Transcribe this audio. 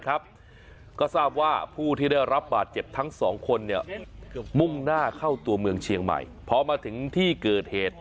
ก็ทราบว่าผู้ที่ได้รับบาดเจ็บทั้งสองคนมุ่งหน้าเข้าตัวเมืองเชียงใหม่พอมาถึงที่เกิดเหตุ